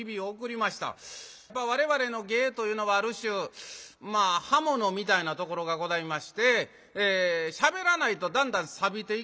我々の芸というのはある種刃物みたいなところがございましてしゃべらないとだんだんさびていきますんでね